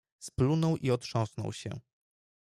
Splunął i otrząsnął się.